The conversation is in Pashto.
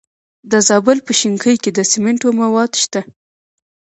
د زابل په شنکۍ کې د سمنټو مواد شته.